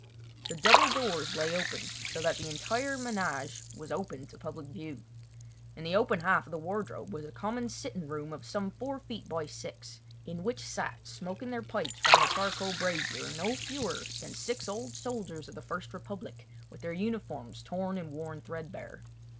The double doors lay open, so that the entire ménage was open to public view. In the open half of the wardrobe was a common sitting room of some four feet by six, in which sat, smoking their pipes round a charcoal brazier, no fewer than six old soldiers of the First Republic, with their uniforms torn and worn threadbare.